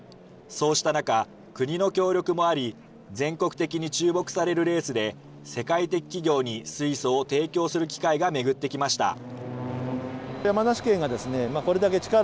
そうした中、国の協力もあり、全国的に注目されるレースで、世界的企業に水素を提供する機会が巡ってきました。